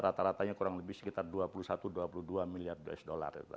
rata ratanya kurang lebih sekitar dua puluh satu dua puluh dua miliar usd